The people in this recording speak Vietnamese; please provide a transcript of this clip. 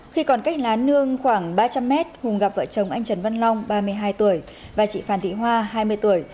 khi còn cách lá nương khoảng ba trăm linh mét hùng gặp vợ chồng anh trần văn long ba mươi hai tuổi và chị phan thị hoa hai mươi tuổi